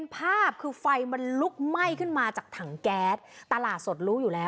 ภาพคือไฟมันลุกไหม้ขึ้นมาจากถังแก๊สตลาดสดรู้อยู่แล้ว